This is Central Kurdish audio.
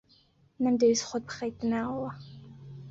نەمدەویست خۆت بخەیتە ناوەوە.